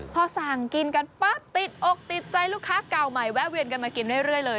พอสั่งกินกันปั๊บติดอกติดใจลูกค้าเก่าใหม่แวะเวียนกันมากินเรื่อยเลย